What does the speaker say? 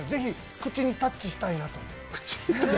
口でタッチしたいなと。